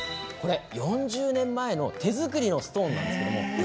４０年前の手作りのストーンなんです。